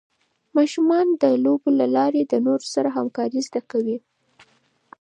ماشومان د لوبو له لارې د نورو سره همکارۍ زده کوي.